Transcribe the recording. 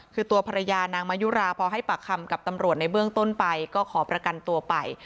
คือตัวภรรยานางมายุราพอให้ปากคำกับตำรวจในเบื้องต้นไปก็ขอประกันตัวไป